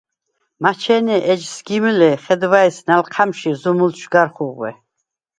მაჩე̄ნე ეჯ სგიმ ლ’ე̄, ხედვა̄̈ის ნალჴა̈მში ზუმულდშვ გარ ხუღვე.